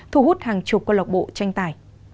thu hút hàng chục con lọc bộ tranh tài